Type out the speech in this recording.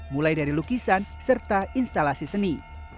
mulai dari lukisan serta instalasi seni